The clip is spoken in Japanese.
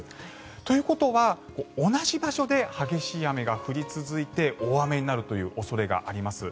ということは同じ場所で激しい雨が降り続いて大雨になるという恐れがあります。